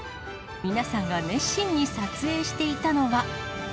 皆さんが熱心に撮影していたのは。